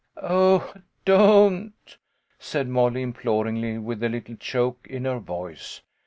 " Oh, don't !" said Molly, imploringly, with a little choke in her voice.